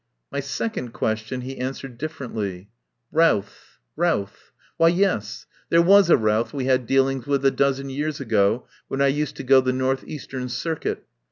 My second question he answered differ ently. "Routh! Routh! Why, yes, there was a Routh we had dealings with a dozen years ago, when I used to go the North Eastern circuit.